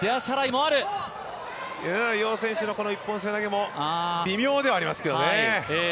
楊選手の一本背負い投げも微妙ではありますけどね。